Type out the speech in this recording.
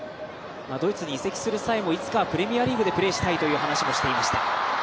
ドイツに移籍する際もいつかプレミアリーグでプレーをしたいという話もしていました。